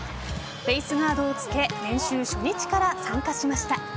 フェイスガードを着け練習初日から参加しました。